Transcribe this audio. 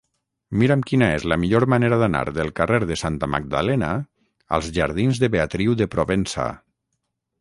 Mira'm quina és la millor manera d'anar del carrer de Santa Magdalena als jardins de Beatriu de Provença.